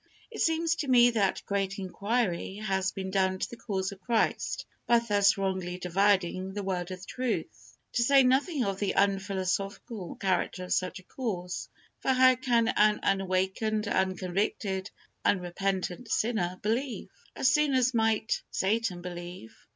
It seems to me, that great injury has been done to the cause of Christ by thus wrongly dividing the Word of truth, to say nothing of the unphilosophical character of such a course, for how can an unawakened, unconvicted, unrepentant sinner, believe? As soon might Satan believe.